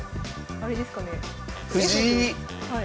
あれですかね？